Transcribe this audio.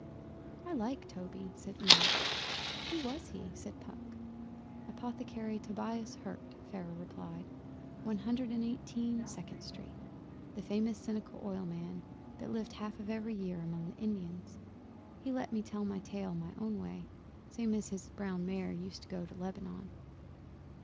'I like Toby,' said Una. 'Who was he?' said Puck. 'Apothecary Tobias Hirte,' Pharaoh replied. 'One Hundred and Eighteen, Second Street the famous Seneca Oil man, that lived half of every year among the Indians. But let me tell my tale my own way, same as his brown mare used to go to Lebanon.